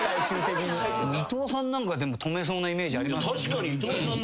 伊藤さんなんかでも止めそうなイメージあります。